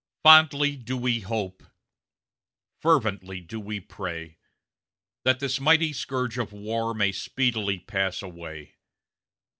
Fondly do we hope fervently do we pray that this mighty scourge of war may speedily pass away.